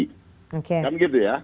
kan gitu ya